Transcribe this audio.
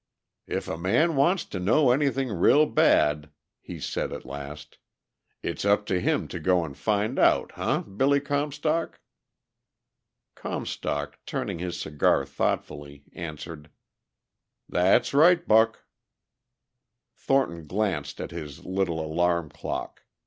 "If a man wants to know anything real bad," he said at last, "it's up to him to go and find out, huh, Billy Comstock?" Comstock, turning his cigar thoughtfully, answered: "That's right, Buck." Thornton glanced at his little alarm clock.